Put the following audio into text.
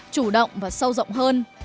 chủ động và sâu rộng hơn